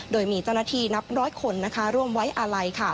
โดยมีเจ้าหน้าที่นับน้อยคนนะคะร่วมไว้อะไรค่ะ